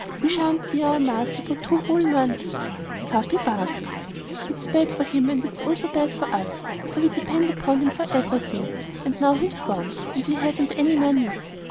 We shan't see our master for two whole months." "Ouah," barked Capi. "It's bad for him and it's also bad for us, for we depend on him for everything, and now he's gone, we haven't any money."